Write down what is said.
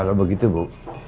kalau begitu bu